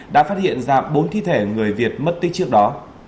đã phát hiện ra bốn thi thể người việt mất tích trước đó